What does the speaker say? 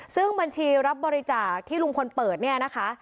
ซึ่งบัญชีรับบริจาคที่ลุงพลเปิดเนี่ยนะคะ